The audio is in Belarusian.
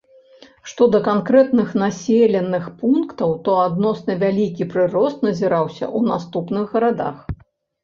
Што да канкрэтных населеных пунктаў, то адносна вялікі прырост назіраўся ў наступных гарадах.